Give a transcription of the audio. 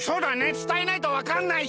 つたえないとわかんないし。